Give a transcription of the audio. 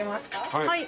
はい。